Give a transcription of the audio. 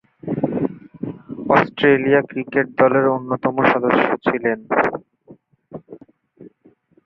Australia cricket দলের অন্যতম সদস্য ছিলেন।